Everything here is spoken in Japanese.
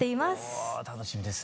うわ楽しみです。